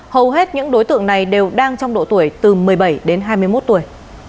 hầu hết những đối tượng này đều đang trong độ tuổi từ một mươi bảy đến hai mươi một tuổi